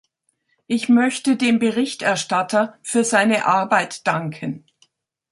Ich möchte dem Berichterstatter für seine Arbeit danken.